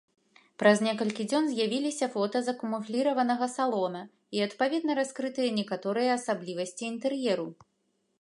Праз некалькі дзён з'явіліся фота закамуфліраванага салона і, адпаведна, раскрытыя некаторыя асаблівасці інтэр'еру.